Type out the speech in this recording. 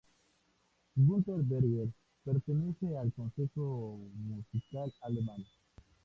Gunter Berger pertenece al Consejo Musical Alemán.